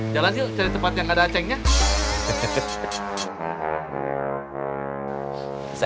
jalan yuk cari tempat yang gak ada a ceng nya